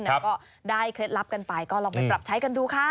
แล้วก็ได้เคล็ดลับกันไปก็ลองไปปรับใช้กันดูค่ะ